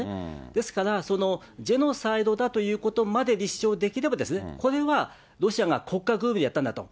ですから、そのジェノサイドだということまで立証できれば、これはロシアが国家ぐるみでやったんだと。